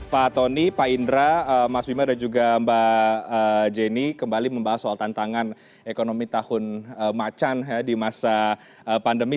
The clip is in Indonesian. pak tony pak indra mas bima dan juga mbak jenny kembali membahas soal tantangan ekonomi tahun macan di masa pandemi